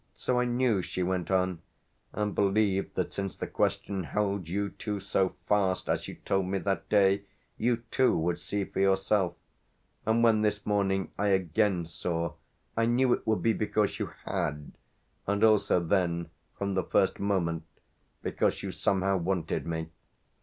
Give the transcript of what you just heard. So I knew," she went on; "and believed that, since the question held you too so fast, as you told me that day, you too would see for yourself. And when this morning I again saw I knew it would be because you had and also then, from the first moment, because you somehow wanted me.